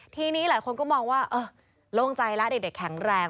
ทีนี้หลายคนก็มองว่าโล่งใจแล้วเด็กแข็งแรง